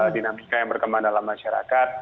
dinamika yang berkembang dalam masyarakat